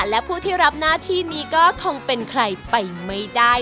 และผู้ที่รับหน้าที่นี้ก็คงเป็นใครไปไม่ได้